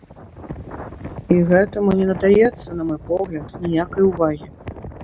І гэтаму не надаецца, на мой погляд, ніякай увагі!